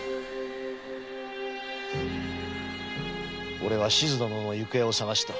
おれはしず殿の行方を捜した。